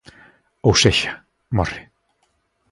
Ou sexa, morre.